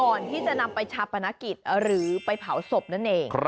ก่อนที่จะนำไปชาปนกิจหรือไปเผาศพนั่นเอง